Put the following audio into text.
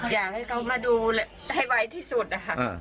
อยากให้เขามาดูให้ไวที่สุดนะคะ